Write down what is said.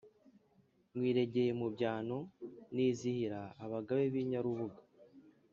nywiregeye mu byano nizihira abagabe b'inyarubuga,